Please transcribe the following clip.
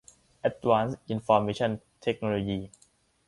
แอ็ดวานซ์อินฟอร์เมชั่นเทคโนโลยี